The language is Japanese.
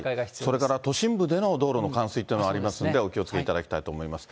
それから都心部での道路の冠水というのがありますんで、お気をつけいただきたいと思います。